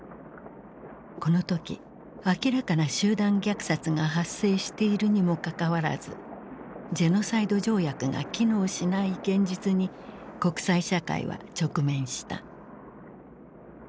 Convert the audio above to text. この時明らかな集団虐殺が発生しているにもかかわらずジェノサイド条約が機能しない現実に国際社会は直面した。